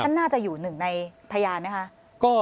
ท่านน่าจะอยู่๑ในพยานไหมคะ